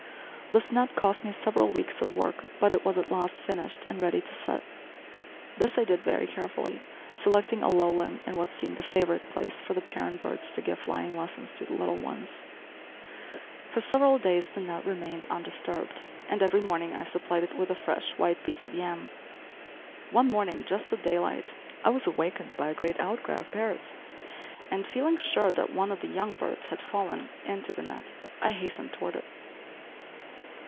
This net cost me several weeks of work, but it was at last finished and ready to set. This I did very carefully, selecting a low limb in what seemed a favorite place for the parent birds to give flying lessons to the little ones. For several days the net remained undisturbed, and every morning I supplied it with a fresh, white piece of yam. One morning, just at daylight, I was awakened by a great outcry of parrots, and, feeling sure that one of the young birds had fallen into the net, I hastened toward it.